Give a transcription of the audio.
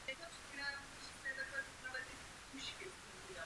Podílel se na plánech sídliště Dukla včetně návrhu některých bytových domů.